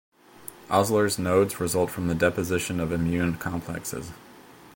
Osler's nodes result from the deposition of immune complexes.